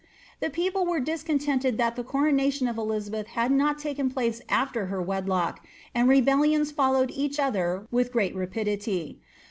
The people were discon tented that the coronation or Eilx Mh had nol taken place after her wedlock, and rebellions Tolloi 'I'jer with great rapidity.